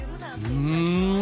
うん！